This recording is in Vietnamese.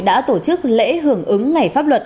đã tổ chức lễ hưởng ứng ngày pháp luật